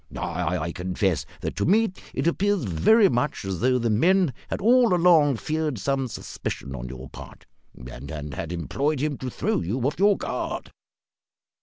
I confess that, to me, it appears very much as though the men had all along feared some suspicion on your part, and had employed him to throw you off your guard."